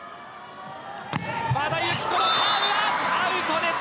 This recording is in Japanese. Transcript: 和田由紀子のサーブはアウトです